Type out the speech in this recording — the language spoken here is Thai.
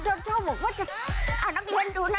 อ่านลูกทีเหลือดูนะ